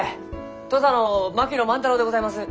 土佐の槙野万太郎でございます。